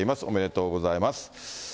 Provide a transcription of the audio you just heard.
おめでとうございます。